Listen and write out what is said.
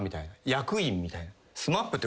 役員みたいな。